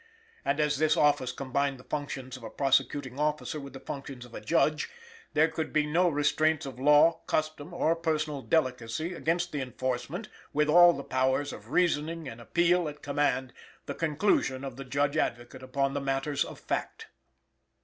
And as this office combined the functions of a prosecuting officer with the functions of a judge, there could be no restraints of law, custom or personal delicacy, against the enforcement, with all the powers of reasoning and appeal at command, the conclusion of the Judge Advocate upon the matters of fact.